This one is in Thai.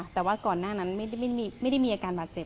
แต่ว่าก่อนหน้านั้นไม่ได้มีอาการบาดเจ็บ